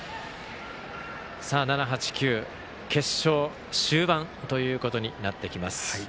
７、８、９、決勝終盤ということになってきます。